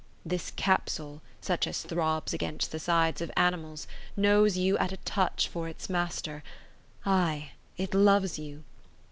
This capsule, such as throbs against the sides of animals, knows you at a touch for its master; ay, it loves you!